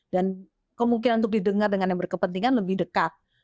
dan kemungkinan untuk didengar dengan yang berkepentingan lebih dekat